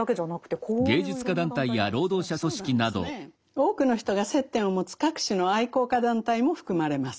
多くの人が接点を持つ各種の愛好家団体も含まれます。